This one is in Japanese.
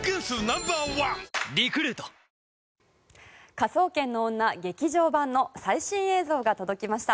「科捜研の女−劇場版−」の最新映像が届きました。